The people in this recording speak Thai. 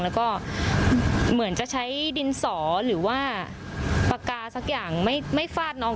แล้วก็เหมือนจะใช้ดินสอหรือว่าปากกาสักอย่างไม่ฟาดน้อง